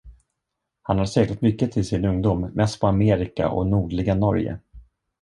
Han har seglat mycket i sin ungdom, mest på Amerika och nordliga Norge.